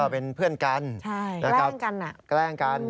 เป็นเพื่อนกันแกล้งกัน